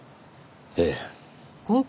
ええ。